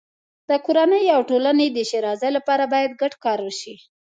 د کورنۍ او ټولنې د ښېرازۍ لپاره باید ګډ کار وشي.